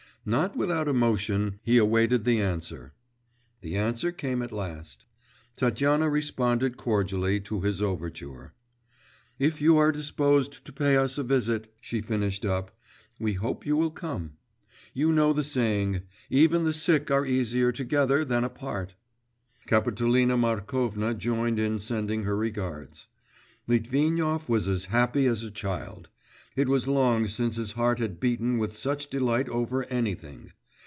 Not without emotion he awaited the answer ... the answer came at last. Tatyana responded cordially to his overture. 'If you are disposed to pay us a visit,' she finished up, 'we hope you will come; you know the saying, "even the sick are easier together than apart."' Kapitolina Markovna joined in sending her regards. Litvinov was as happy as a child; it was long since his heart had beaten with such delight over anything.